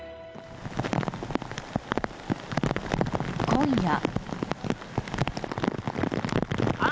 今夜。